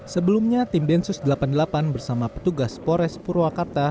sebelumnya tim densus delapan puluh delapan bersama petugas pores purwakarta